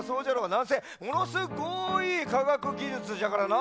なんせものすごいかがくぎじゅつじゃからな。